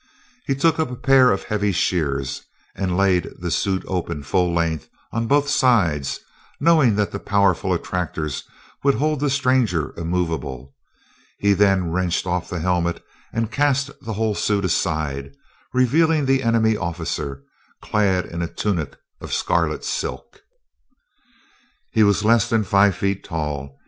He took up a pair of heavy shears and laid the suit open full length, on both sides, knowing that the powerful attractors would hold the stranger immovable. He then wrenched off the helmet and cast the whole suit aside, revealing the enemy officer, clad in a tunic of scarlet silk. He was less than five feet tall.